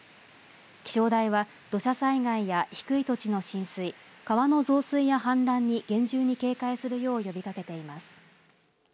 気象台は土砂災害や低い土地の浸水、川の増水や氾濫に厳重に警戒するよう呼びかけています。